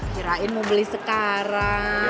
kirain mau beli sekarang